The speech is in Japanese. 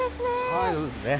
はい、そうですね。